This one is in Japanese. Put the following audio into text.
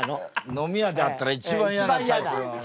飲み屋で会ったら一番嫌なタイプの。